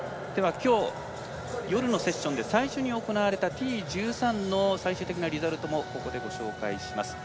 きょう、夜のセッションで最初に行われたＴ１３の最終的なリザルトもご紹介します。